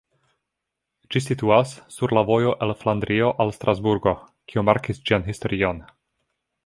Ĝi situas sur la vojo el Flandrio al Strasburgo, kio markis ĝian historion.